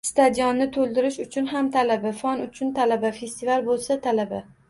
Stadionni toʻldirish uchun ham talaba, fon uchun talaba, festival boʻlsa talaba...